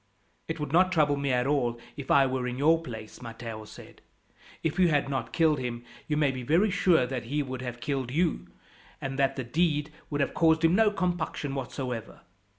"It would not trouble me at all if I were in your place," Matteo said. "If you had not killed him, you may be very sure that he would have killed you, and that the deed would have caused him no compunction whatever.